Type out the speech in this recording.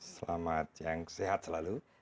selamat yang sehat selalu